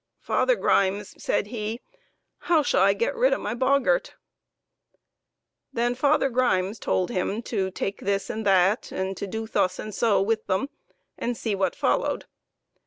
" Father Grimes," said he, " how shall I get rid of my boggart ?" Then Father Grimes told him to take this and that, and to do thus and so with them, and see what followed.